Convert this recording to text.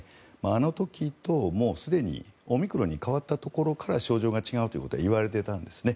あの時と、もうすでにオミクロンに変わったところから症状が違うということは言われていたんですね。